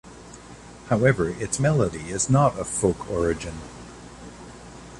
However its melody is not of folk origin.